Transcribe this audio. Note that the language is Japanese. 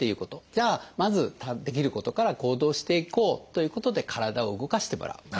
じゃあまずできることから行動していこうということで体を動かしてもらう。